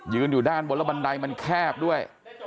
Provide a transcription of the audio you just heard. อยู่ด้านบนแล้วบันไดมันแคบด้วย